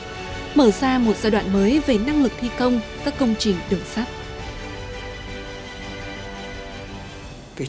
là một giai đoạn mới về năng lực thi công các công trình đường sát